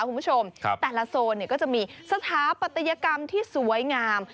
คุณผู้ชมแต่ละโซนก็จะมีสถาปัตยกรรมที่สวยงาม